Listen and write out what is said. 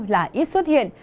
là ít xuất hiện